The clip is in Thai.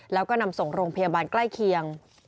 แล้วก็นำส่งโรงพยาบาลใกล้เคียง